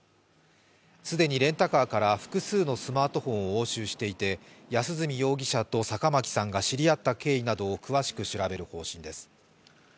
既にレンタカーから複数のスマートフォンを押収していて安栖容疑者と坂巻さんが知り合った経緯などを詳しく調べる方針です。